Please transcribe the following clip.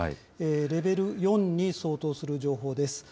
レベル４に相当する情報です。